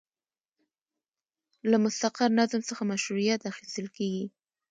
له مستقر نظم څخه مشروعیت اخیستل کیږي.